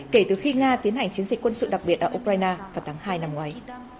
kể từ khi nga tiến hành chiến dịch quân sự đặc biệt ở ukraine vào tháng hai năm ngoái